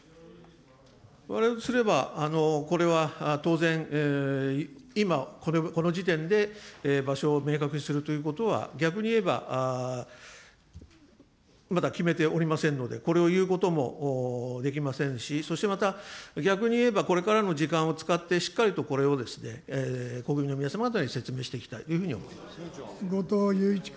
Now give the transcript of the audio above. われわれとすれば、これは当然、今、この時点で、場所を明確にするということは、逆に言えばまだ決めておりませんので、これを言うこともできませんし、そしてまた、逆に言えばこれからの時間を使って、しっかりとこれをですね、国民の皆様方に説明していきたいという後藤祐一君。